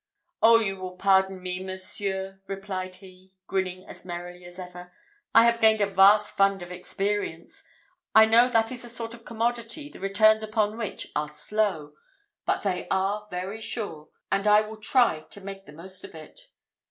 "Oh, you will pardon me, monseigneur!" replied he, grinning as merrily as ever, "I have gained a vast fund of experience. I know that is a sort of commodity the returns upon which are slow, but they are very sure; and I will try to make the most of it."